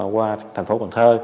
qua thành phố quảng thơ